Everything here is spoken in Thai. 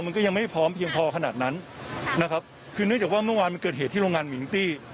มันก็ยังไม่พร้อมเพียงพอขนาดนั้นนะครับคือเนื่องจากว่าเมื่อวานมันเกิดเหตุที่โรงงานมิงตี้